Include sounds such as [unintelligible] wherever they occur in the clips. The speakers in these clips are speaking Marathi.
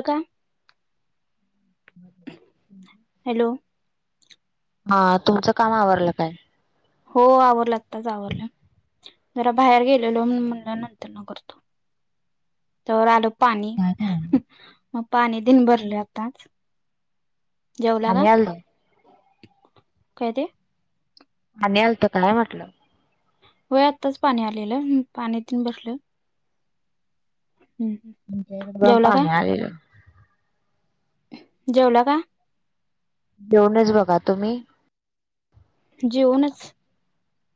का का [inaudible] हॅलो. हा तुमचं काम आवरलं काय? हो आवरलं आताच आवरलं जरा बाहेर गेलेलो म्हणून म्हंटल नंतर नंतर ना करतो. तवर आलं पाणी काय करायला? मग पाणी तिन भरलं आताचं. जेवला का? पाणी आलत काय ते पाणी आलतं काय म्हटलं? व्हयं आत्ताच पाणी आलेलं पाणी तेनं भरलं. आमचा इकडे पण जेवला का पाणी आलेलं. जेवला का? जेवलचं बघा. तुम्ही? जेवूनचं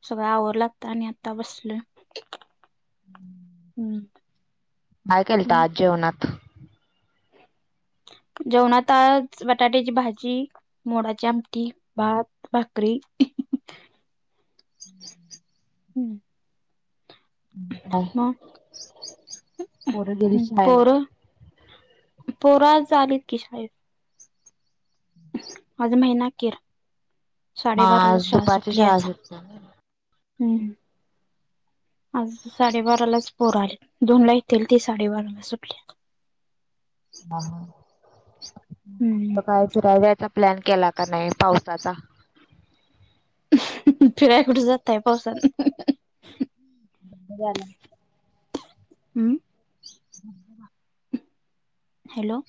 सगळं आवरल आता आणि आता बसलोयं. हम्म. हम्म. काय केलता आज जेवणात? जेवण आताच बटाट्याची भाजी मोडाची आमटी, भात, भाकरी इहीहीही [inaudible] हम्म. [unintelligible] क्काय [inaudible] गेली शाळेला पर पोरं आज आलीत की शाळेत आज महिना क्केर. म साडेबारालाच आज शाळा दुपारची सुटली शाळा आज सुटते. [inaudible] हम्म. आज साडेबारालाच पोरं आले. दोन ला येत्तील ते साडेबाराला सुटलीएत आहो हम्म सकाळी फिरा्याचा प्लॅन केलाता मी पावसाचा अंह्हह फिरयला कुठं जाताय पावसात अह्हहह जालं. हम्म [unintelligible] हॅलो.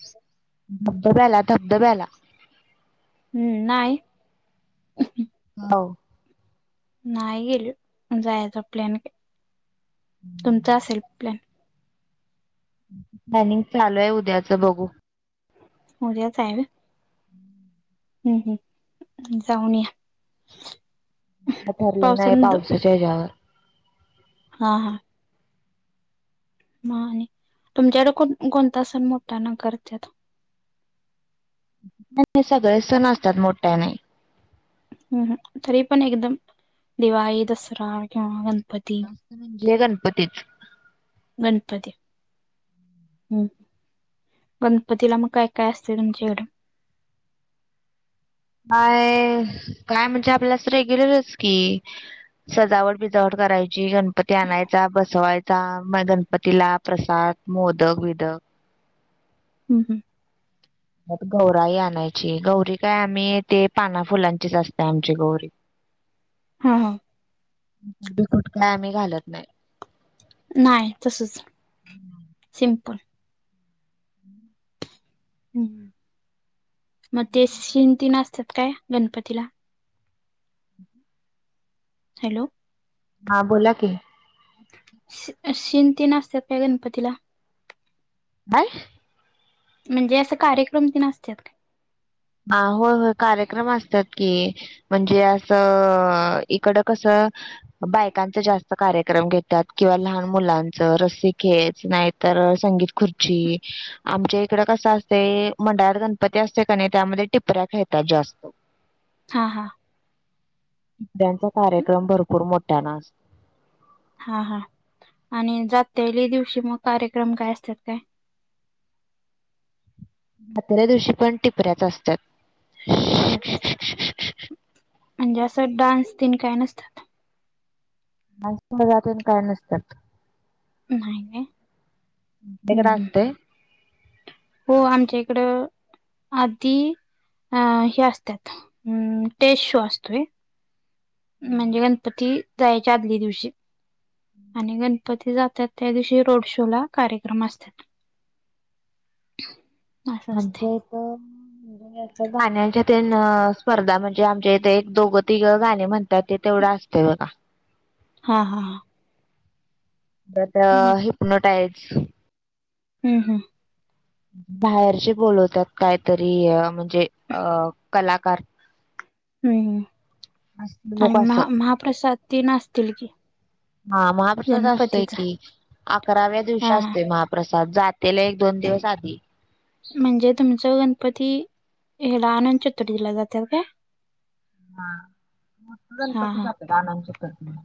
धबधब्याला धबधब्याला हम्म, नाही. हो. न्हाही गयेलो. जायचा प्लॅन ह्हे. तुमचा असेल प्लॅन? प्लॅनिंग चालू आहे उद्याचं, बघू उद्याचय व्हय? हं हं जाऊनया काय ठरलं नाही पावसाच्या हेज्यावर हा हा. म आणि? तुमच्याकडं कोण कोणता सण मोट्ट्यानं करत्यात? नाही नाही सगळे सण असत्यात मोट्ट्याने ह ह, तरी पण एकदम दिवाळी, दसरा, किंवा गणपती? ह्ये गणपतीच. गणपती. ह, गणपतीला म काय काय असतंय तुमच्याकडं? काय? काय म्हणजे, आपलं असं रेग्युलरच की सजावट बिजावट करायची, गणपती आणायचा, बसवायचा, म गणपतीला प्रसाद, मोदक बिदक ह ह म गौराई आणायची. गौरी काय आम्ही ते पाना फुलांचीच असते आमची गौरी. ह ह मुकुट काय आम्ही घालत नाही. नाई, तसंच सिंपल. हम्म, म ते शिन् तीन असतात काय गणपतीला? हॅलो हा बोला की शि शिन् तीन असत्यात काय गणपतीला? काय? म्हणजे असं कार्यक्रम तेन असत्यात का? आ होय होय, कार्यक्रम असत्यात की म्हणजे असं, इकडं कसं? बायकांच जास्त कार्यक्रम घेतात किंवा लहान मुलांच रस्सी खेच नाही तर संगीत खुर्ची आमच्या इकड कस असतय मंडळात गणपती असते कनय. त्यामध्ये टिपऱ्या खेळतात जास्त. हां हां टिपऱ्यांचा कार्यक्रम भरपूर मोठान आस हा हा आणि जातेले दिवशी मग कार्यक्रम काय असतात काय? आदल्या दिवशी पण टिपऱ्याच असतात. टिपऱ्याच असतात म्हणजे अस डान्स तेन काय नसत. डान्स तेन काय नसतात. नाही. हम्म तुमच्याकड हम्म. असतय. हो आमच्या इकड आधी हे असतात टेज शो असतोय. म्हणजे गणपती जायाच्या आदल्या दिवशी आणि गण गणपती जातात त्या दिवशी रोड शो ला कार्यक्रम असतात. असं आमचे [inaudible] गाण्याच्या तेन स्पर्धा म्हणजे आमच्या इथे एक दोघ तिघ गाणे म्हण तात ते तेवढ असतय बघा. हां हां परत त्या हिपनोटाईझ. हम्म हम्म बाहेरची बोलवतात कायतरी म्हणजे कलाकार. हम्म आणि हसमुख असं महा महाप्रसाद तेन असतील की? हां महाप्रसाद असतोय गणपतीचा की अकराव्या हा दिवशी असतोय महा प्रसाद जातेल एक दोन दिवस आधी. म्हणजे तुमच गणपती हड आनंदचतुर्थीला जातात काय? हा मग हा गणपती जातात आनंद चतुर्थीला.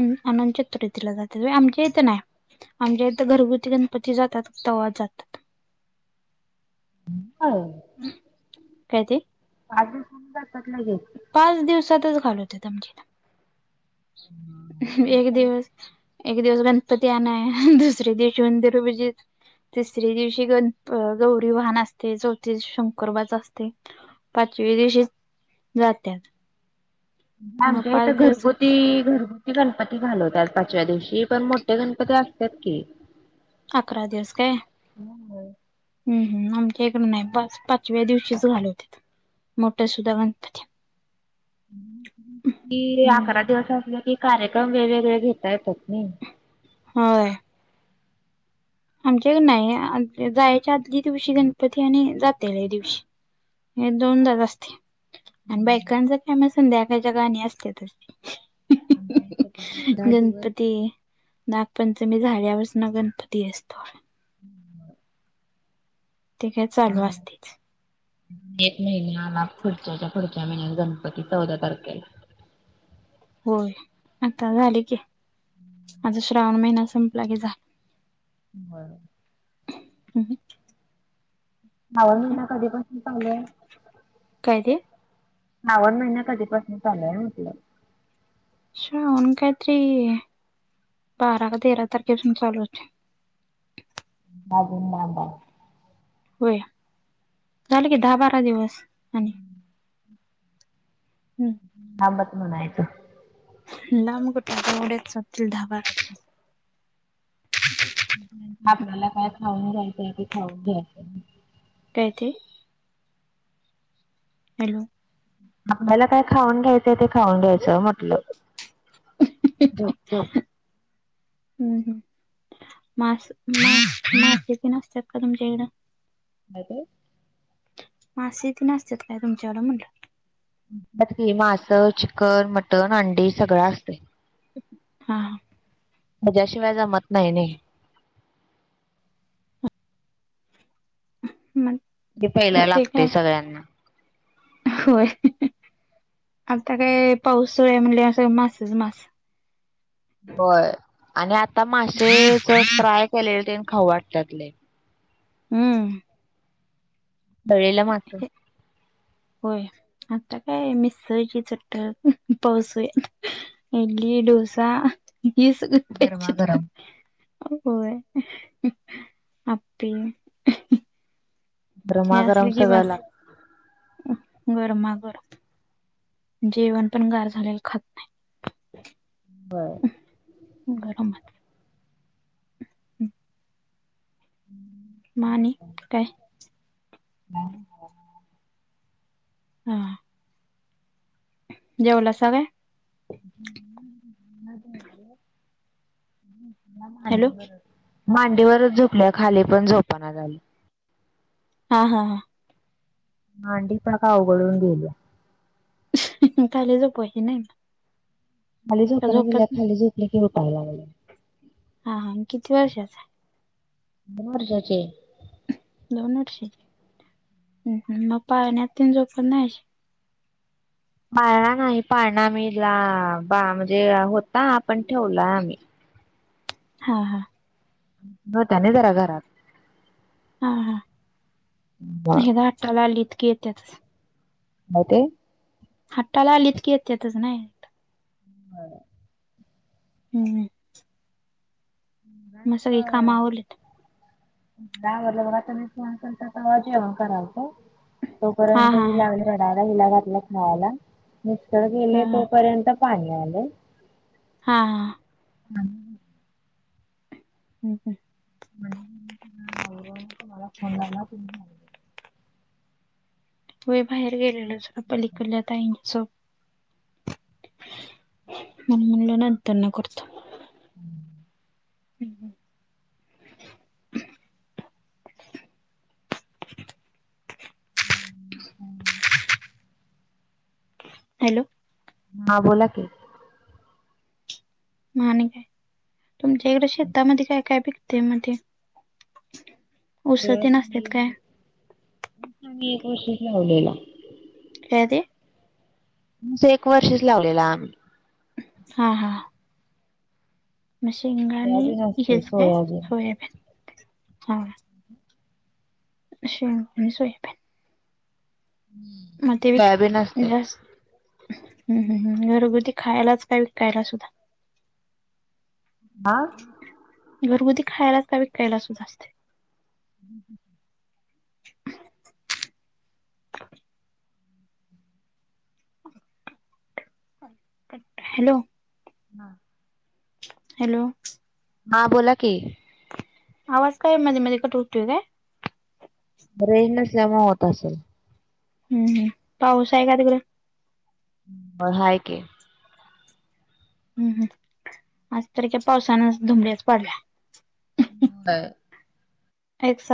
अ अनंत चतुर्थीला जातात व्हय आमच्या इथे नाही. आमच्या इथे घरगुती गणपती जातात तवा जातात. हो काय ते? पाच दिवसात जातात लगेच. पाच दिवसातच घालवतात आमच्याला एक आमच्या दिवस. एक दिवस गणपती आणाया दुसरे दिवस उंदिर [unintelligible] तिसरी दिवशी गण गौरी वाहन असते चौथी दिवशी शंकरोबाच असतय. पाचव्या दिवशी जात्यात. मग आमच्या इथ पाच दिवस घरगुती घरगुती गणपती घालवतूत पाचव्या दिवशी पण मोठे गणपती असतात की. अकरा दिवस काय. हम्म हम्म आमच्या इकड नाही बास पाचव्या दिवशीच घालवतात. मोठा सुद्धा गणपती. कि हम्म अकरा दिवस असले कि कार्यक्रम वेगवेगळे घेता येतात नाही. होय आमच्याकड नाही जायच्या आदल्या दिवशी गणपती आणि जातेल्या दिवशी. हे दोनदाच असते आणि बायकांचा काम संध्या एकाच्या गाणी असते की. आमच्या इथे पण अकरा दिवस गणपती. नागपंचमी झाल्यापासन ना गणपती असतो. हम्म ते काय चालू असतेच एक महिन्या आला पुढच्याच्या पुढच्या महिन्यात गणपती चौदा तारखेला. होय आता झाले की, आता श्रावण महिना संपला की झाला. होय हम्म श्रावण महिना कधीपासून चालू आहे? काय ते श्रावण महिन कधीपासून चालूय म्हटलं. श्रावण काय तरी बारा का तेरा तारखे पासुन चालू आहे. आ मा आबा [inaudible] होय झालं की दहा बारा दिवस. आणि हम्म थांबच म्हणायचं. लाम गोठ गड्याातील ढाब [inaudible] आपल्याला काय खाऊन घ्यायचंय ते खाऊन घ्यायचं काय ते, हॅलो! आपल्याला काय खाऊन घ्यायचंय ते खाऊन घ्यायचं म्हटलं. झोप झोप हम्म मासिक नसतात का तुमच्या इथं? काय ते. मासीक नासत्यात का तुमच्याकडे म्हटलं. असंतय कि मास, चिकन, मटण, अंडी सगळं असंतय हा माझ्याशिवाय जमत नाही नाही. ह मग ते पहायला ते लागतय काय सगळ्यांना. होय आता काय पाऊस आहे म्हणज असं मासेच मास. होय आणि आता मासेच फ्राय केलेले ते खाऊ वाटण्यात लय. हम्म तळलेला मासा. होय आता काय मिसळ जी चट्टक पावसाळ्यात. इडली, डोसा, गरमा पाहिजे गरम होय आप्पे. हे गरमागरम सगळ्यांना लागते. गरमागरम जेवण पण गार झालेलं खात नाही‌. होय गरम, मग आणि [inaudible] हा जेवला सा काय. ह मज [inaudible] ह [inaudible] हॅलो मांडीवरच झोपल्या खाली पण झोपना झाली हां हां हां मांडी प का अवघडुन गेल्या खाली झोपायची नाही का खाली झोपल्या झोपत नाही खाली झोपली की उठायला लागली हां हां कती वर्षाचा आहे दोन वर्षांची आहे दोन वर्षाची मग पाळण्यात तेन झोपत नाही अशी पाळला नाही पाळणा मी हिला बा म्हणजे होता पण ठेवला आम्ही हां हां नव्हत्या नाही जरा घरात हां हां हे काय दठचाला [inaudible] आली इतकी येत्यात नव्हते हाताला लिखित [inaudible] येतच नाही हं हम्म मग सगळी काम आवरलेत आवरलं बघा आता मी त जेवण मग करायच हा तोपर्यंत हा हिला घातल खेळायला मिस्टर हा गेले हा तोपर्यंत पाणी आल हां हं हं हम्म्म म्हणव मला फोन लाला त [inaudible] व्हय बाहेर गेलेलो जरा पलीकडल्या ताईनच म म्हणल ना त्यांना करत हम्म हम् ह [inaudible] [inaudible] ह [inaudible] हॅलो हां बोला की आणि तुमच्या इकड शेतामध्ये काय काय पिक ते मध्ये ऊस ते नसतात का आम्ही ऊसच लावलेला त्या काय ते ते एक वर्षच लावलेला आम्ही हां हां मघाणी सोयाबीन असते इस काय सोयाबीन सोयब ह [unintelligible] अशे सोयाबीन. [unintelligible] म व [unintelligible] सोयाबीन असते जास् [unintelligible] ह्म्म हम्म घरगुती खायलाच काय विकायला सुद्धा हा घरगुती खायला का विकायला सुद्धा असते. [unintelligible] हॅलो. हा. हॅलो. हा बोला की. आवाज काय मध्ये मध्येे कट होतोय काय? रेंज नसल्यामुळ होत असल. हम्म, पाऊस हाय का तिकड. हम हाय की. हम् हम, आज तरी काय पावसानच धूब्याच पाडलाय. [unintelligible] एक्सा